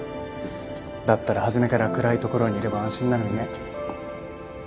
だったら初めから暗い所にいれば安心なのにね。